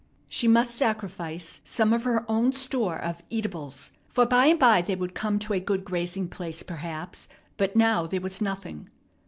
She must sacrifice some of her own store of eatables, for by and by they would come to a good grazing place perhaps, but now there was nothing.